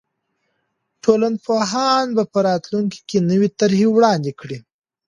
ټولنپوهان به په راتلونکي کې نوې طرحې وړاندې کړي.